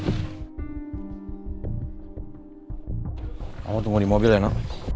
kamu tunggu di mobil ya nok